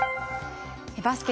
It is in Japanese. バスケ